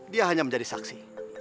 dia hanya menjadi saksi